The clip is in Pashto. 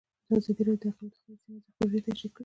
ازادي راډیو د اقلیتونه په اړه سیمه ییزې پروژې تشریح کړې.